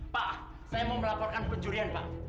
pak saya mau melaporkan pencurian pak